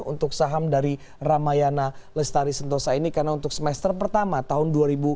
untuk saham dari ramayana lestari sentosa ini karena untuk semester pertama tahun dua ribu dua puluh